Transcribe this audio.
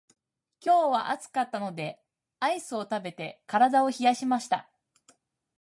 今日は暑かったのでアイスを食べて体を冷やしました。